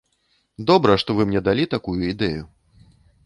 Добра, што вы мне далі такую ідэю.